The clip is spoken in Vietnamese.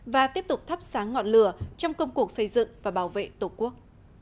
và tiếp tục thắp sáng ngọn lửa trong công cuộc xây dựng và bảo vệ tổ quốc